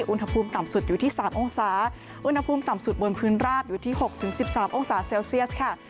อุณหภูมิต่ำสุดอยู่ที่๓องศาอุณหภูมิต่ำสุดบนพื้นราบอยู่ที่๖๑๓องศาเซลเซียสค่ะ